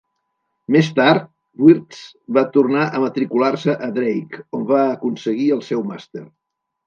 Més tard, Weertz va tornar a matricular-se a Drake, on va aconseguir el seu màster.